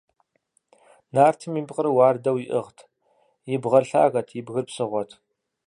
Нартым и пкъыр уардэу иӀыгът, и бгъэр лъагэт, и бгыр псыгъуэт.